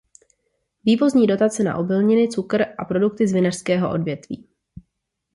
Vývozní dotace na obilniny, cukr a produkty z vinařského odvětví.